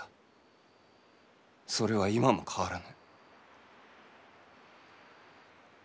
それは今も変わらぬ。